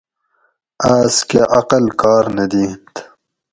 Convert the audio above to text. آس کہ عقل کار نہ دِیٔنت